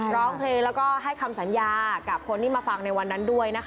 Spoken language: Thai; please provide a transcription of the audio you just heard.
ร้องเพลงแล้วก็ให้คำสัญญากับคนที่มาฟังในวันนั้นด้วยนะคะ